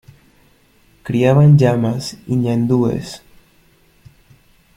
Criaban llamas y ñandúes.